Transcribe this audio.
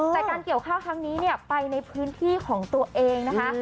แต่การเกี่ยวข้าวครั้งนี้เนี่ยไปในพื้นที่ของตัวเองนะคะ